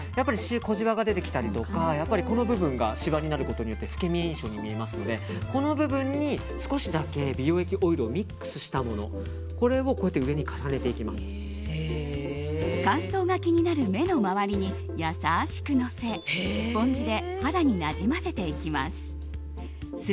小じわが出てきたりとかこの部分がしわになることによって老け見え印象になるのでこの部分に少しだけ美容液オイルをミックスしたもの乾燥が気になる目の周りに優しくのせスポンジで肌になじませていきます。